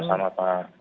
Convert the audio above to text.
ya selamat selamat pak